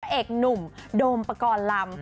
ตัวเอกหนุ่มโดมปกรรม